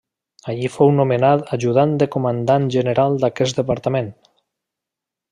Allí fou nomenat Ajudant del Comandant General d'aquest Departament.